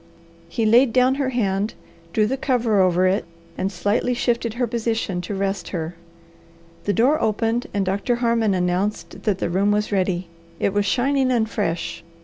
He laid down her hand, drew the cover over it, and slightly shifted her position to rest her. The door opened, and Doctor Harmon announced that the room was ready. It was shining and fresh.